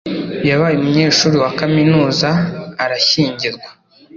Yabaye umunyeshuri wa kaminuza arashyingirwa.